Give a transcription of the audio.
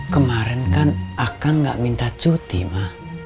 kemaren kan akang gak minta cuti mak